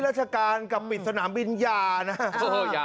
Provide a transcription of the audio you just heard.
ราชการกับปิดสนามบินอย่านะ